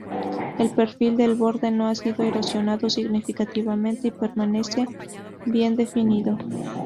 El perfil del borde no ha sido erosionado significativamente y permanece bien definido.